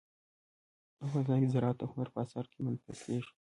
افغانستان کې زراعت د هنر په اثار کې منعکس کېږي.